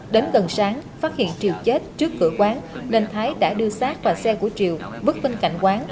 đến gần sáng phát hiện triều chết trước cửa quán nên thái đã đưa sát và xe của triều vứt bên cạnh quán